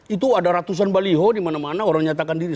itu ada ratusan baliho dimana mana orang nyatakan diri